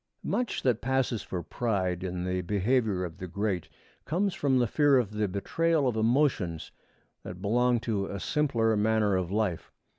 Much that passes for pride in the behavior of the great comes from the fear of the betrayal of emotions that belong to a simpler manner of life.